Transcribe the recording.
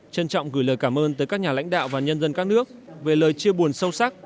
trân trọng gửi lời cảm ơn tới các nhà lãnh đạo và nhân dân các nước về lời chia buồn sâu sắc